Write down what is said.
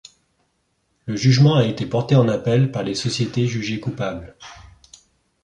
Le jugement a été porté en appel par les sociétés jugées coupable.